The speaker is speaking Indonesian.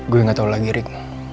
gue gak tau lagi rick